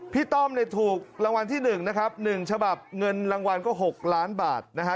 ต้อมเนี่ยถูกรางวัลที่๑นะครับ๑ฉบับเงินรางวัลก็๖ล้านบาทนะฮะ